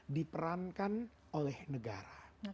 diperankan oleh negara